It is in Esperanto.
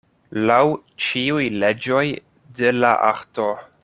Laŭ ĉiuj leĝoj de la arto.